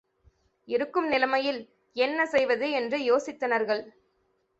இருக்கும் நிலைமையில் என்ன செய்வது என்று யோசித்தனர்கள்.